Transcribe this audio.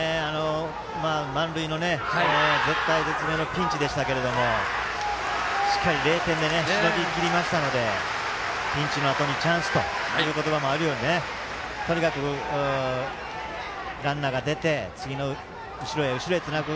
満塁という絶体絶命のピンチでしたがしっかり０点でしのぎきりましたのでピンチのあとにチャンスという言葉もあるようにとにかくランナーが出て次の、後ろへ後ろへつなぐ。